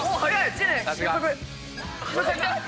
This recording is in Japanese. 知念。